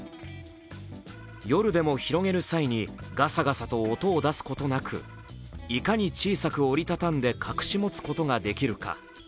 夜でも広げる際にガサガサと音を出すことなくいかに小さく折り畳んで隠し持つことができるか。